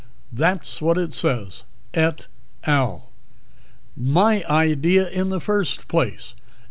_ That's what it says et al. My idea in the first place.